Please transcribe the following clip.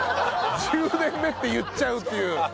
１０年目って言っちゃうっていう。